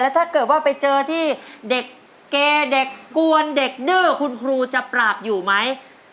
ถ้าเกิดว่าไปเจอที่เด็กเกเด็กกวนเด็กดื้อคุณครูจะปราบอยู่ไหม